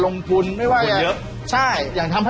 ต้นทุนไม้อะไรอย่างเนี่ย